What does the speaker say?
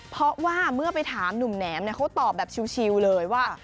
เพราะว่าเมื่อไปถามหนุ่มแหนมเขาตอบแบบชิลเลยว่า